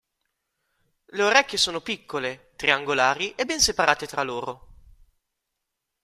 Le orecchie sono piccole, triangolari e ben separate tra loro.